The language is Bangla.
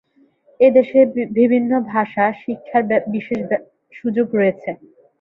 এদেশে বিভিন্ন ভাষা শিক্ষার বিশেষ সুযোগ রয়েছে।